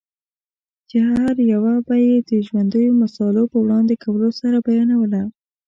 چي هره یوه به یې د ژوندییو مثالو په وړاندي کولو سره بیانوله؛